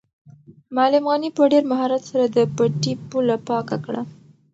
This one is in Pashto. معلم غني په ډېر مهارت سره د پټي پوله پاکه کړه.